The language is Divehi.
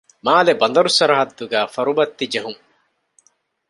މާލެ ބަނދަރު ސަރަހައްދުގައި ފަރުބައްތި ޖެހުން